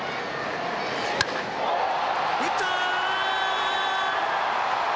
打った！